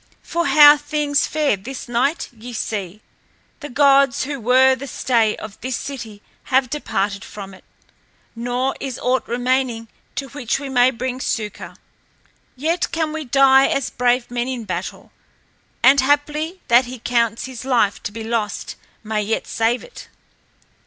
For how things fare this night ye see. The gods who were the stay of this city have departed from it; nor is aught remaining to which we may bring succor. Yet can we die as brave men in battle. And haply he that counts his life to be lost may yet save it."